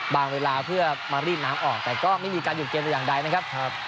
เวลาเพื่อมารีดน้ำออกแต่ก็ไม่มีการหยุดเกมแต่อย่างใดนะครับ